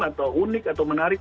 atau unik atau menarik